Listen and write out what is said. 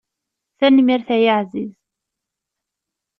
Tanemmirt ay aεziz.